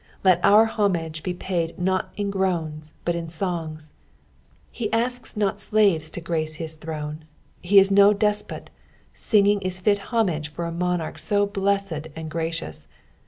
Let our homage be Said not in grosns but songs. He asks not slaves to grace his throne ; he is no espot ; singing is fit homage for a monarch so blessed and grBcious.